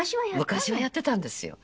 昔はやってたんですよ。